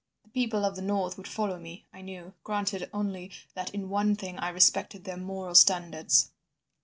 The people of the north would follow me, I knew, granted only that in one thing I respected their moral standards.